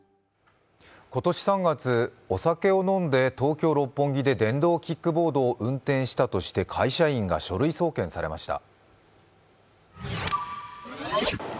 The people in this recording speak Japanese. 今年３月、お酒を飲んで東京・六本木で電動キックボードを運転したとして会社員が書類送検されました。